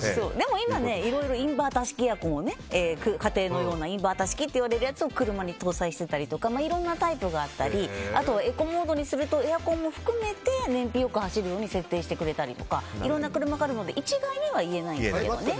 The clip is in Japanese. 今は家庭式のインバーター式といわれるようなやつを搭載していたりとかいろんなタイプがあったりエコモードにするとエアコンも含めて燃費よく走るように設定してくれたりとかいろいろな車があるので一概には言えないんですけどね。